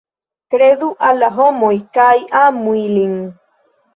Kredu al la homoj kaj amu ilin.